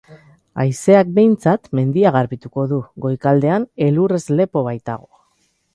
Haizeak behintzat mendia garbituko du, goikaldean elurrez lepo baitago.